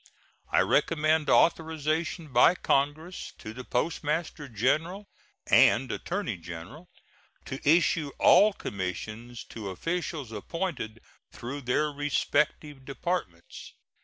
I recommend authorization by Congress to the Postmaster General and Attorney General to issue all commissions to officials appointed through their respective Departments.